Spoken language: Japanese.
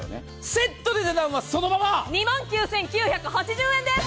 セットで値段はそのまま、２万９９８０円です。